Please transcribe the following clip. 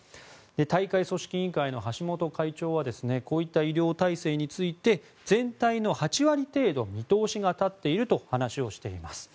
大会組織委員会の橋本会長はこういった医療体制について全体の８割程度見通しが立っていると話をしています。